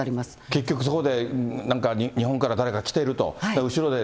結局そこで、なんか日本から誰か来てると。